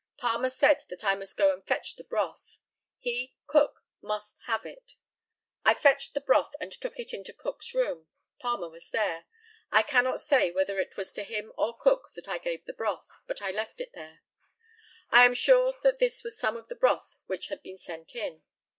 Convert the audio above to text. Palmer said that I must go and fetch the broth; he (Cook) must have it. I fetched the broth and took it into Cook's room. Palmer was there. I cannot say whether it was to him or Cook that I gave the broth, but I left it there. I am sure that this was some of the broth which had been sent in.